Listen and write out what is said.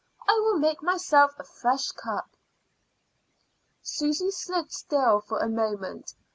I will make myself a fresh cup." Susy stood still for a moment.